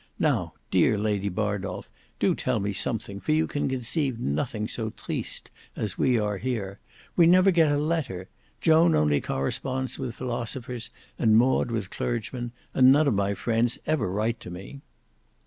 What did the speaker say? "Now, dear Lady Bardolf do tell me something, for you can conceive nothing so triste as we are here. We never get a letter. Joan only corresponds with philosophers and Maud with clergymen; and none of my friends ever write to me."